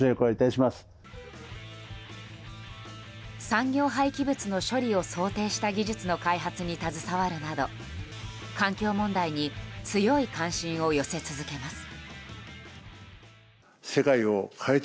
産業廃棄物の処理を想定した技術の開発に携わるなど環境問題に強い関心を寄せ続けます。